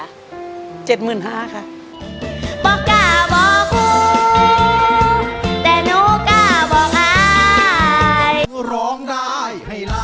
ร้องได้ให้ไลน์